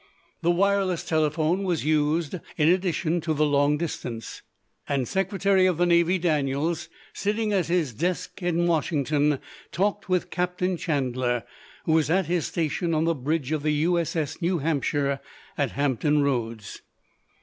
The wireless telephone was used in addition to the long distance, and Secretary of the Navy Daniels, sitting at his desk at Washington, talked with Captain Chandler, who was at his station on the bridge of the U.S.S. New Hampshire at Hampton Roads.